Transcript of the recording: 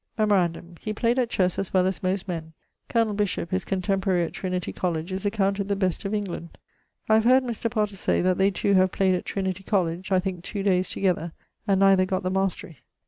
Memorandum: he played at chesse as well as most men. Col. Bishop, his contemporary at Trinity Coll., is accounted the best of England. I have heard Mr. Potter say that they two have played at Trin. Coll. (I thinke 2 daies together) and neither gott the maistery.